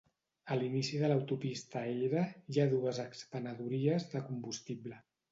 A l'inici de l'autopista Eyre hi ha dues expenedories de combustible.